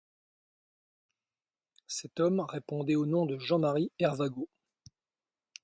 Cet homme répondait au nom de Jean-Marie Hervagault.